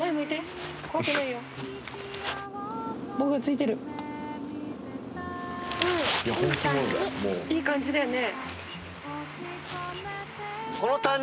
いい感じだよね。